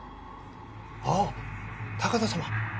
ああ高田様。